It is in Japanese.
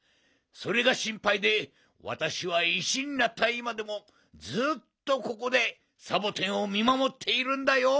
それがしんぱいでわたしは石になったいまでもずっとここでサボテンをみまもっているんだよ。